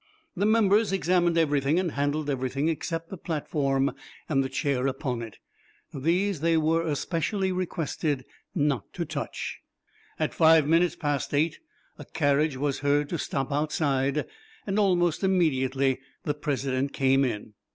The members examined everything and handled everything except the platform and the chair upon it. These they were especially requested not to touch. At five minutes past eight a carriage was heard to stop outside, and almost immediately the President came in.